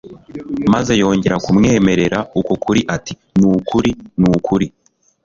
maze yongera kumwemerera uko kuri ati: "Ni ukuri, ni ukuri